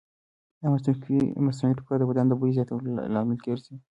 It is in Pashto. ایا مصنوعي ټوکر د بدن د بوی زیاتېدو لامل ګرځي؟